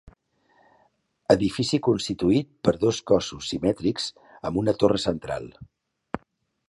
Edifici constituït per dos cossos simètrics i amb una torre central.